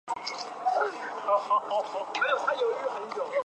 只是你不认识自己的身体吧！